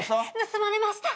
盗まれました！